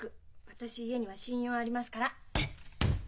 私家には信用ありますから。